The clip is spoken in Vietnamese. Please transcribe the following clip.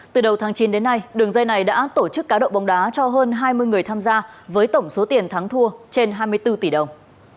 từ đầu tháng chín đến nay đường dây này đã tổ chức cá độ bóng đá cho hơn hai mươi người tham gia với tổng số tiền thắng thua trên hai mươi bốn tỷ đồng